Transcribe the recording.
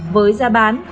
với giá bán